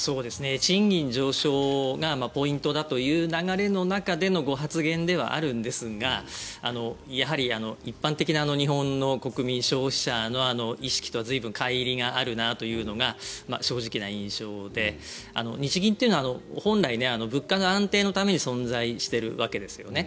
賃金上昇がポイントだという流れの中でのご発言ではあるんですがやはり一般的な日本の国民消費者の意識とは随分、かい離があるなというのが正直な印象で日銀というのは本来、物価の安定のために存在しているわけですよね。